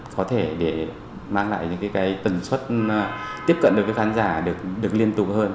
có thể để mang lại những cái tần suất tiếp cận đối với khán giả được liên tục hơn